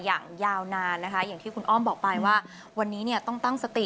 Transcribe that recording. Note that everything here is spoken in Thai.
อย่างยาวนานนะคะอย่างที่คุณอ้อมบอกไปว่าวันนี้เนี่ยต้องตั้งสติ